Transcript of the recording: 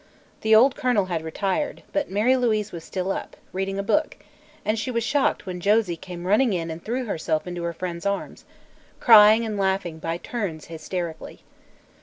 The old colonel had retired, but Mary Louise was still up, reading a book, and she was shocked when Josie came running in and threw herself into her friend's arms, crying and laughing by turns, hysterically.